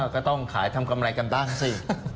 ก็ต้องขายทำกำไรกันบ้างสิ